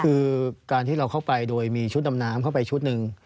คือการที่เราเข้าไปโดยมีชุดดำน้ำเข้าไปชุดหนึ่ง